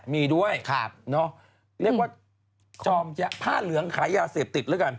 มีด้วยเรียกว่าจอมผ้าเหลืองขายยาเสพติดแล้วกัน